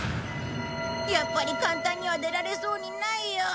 やっぱり簡単には出られそうにないよ。